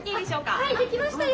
はい出来ましたよ。